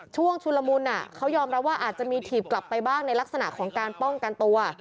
ชุลมุนเขายอมรับว่าอาจจะมีถีบกลับไปบ้างในลักษณะของการป้องกันตัว